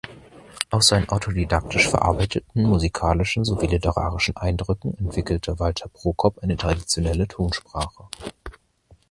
Aus seinen autodidaktisch verarbeiteten musikalischen sowie literarischen Eindrücken entwickelte Walther Prokop eine traditionelle Tonsprache.